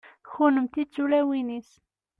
kunemti d tulawin-is